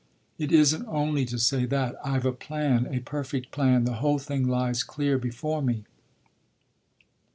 "It isn't only to say that. I've a plan, a perfect plan: the whole thing lies clear before me."